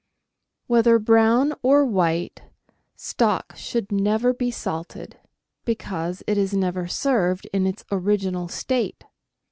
Whether brown or white, stock should never be salted, because it is never served in its original state.